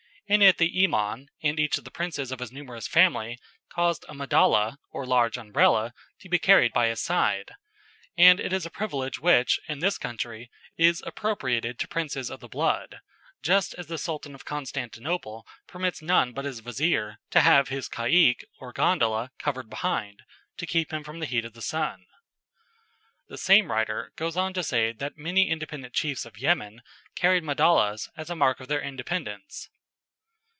In it the Iman and each of the princes of his numerous family, caused a madalla, or large Umbrella, to be carried by his side; and it is a privilege which, in this country, is appropriated to princes of the blood, just as the Sultan of Constantinople permits none but his vizier to have his caique, or gondola, covered behind, to keep him from the heat of the sun. The same writer goes on to say that many independent chiefs of Yemen carried madallas as a mark of their independence.